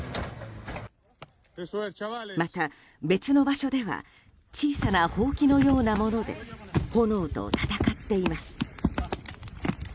また、別の場所では小さなほうきのようなもので炎と戦っています。